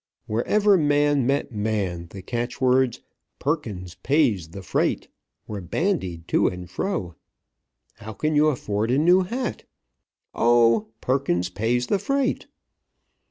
Wherever man met man, the catchwords, "Perkins pays the freight," were bandied to and fro. "How can you afford a new hat?" "Oh, 'Perkins pays the freight'!"